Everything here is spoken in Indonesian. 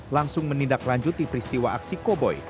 langsung menindaklanjuti peristiwa aksi koboi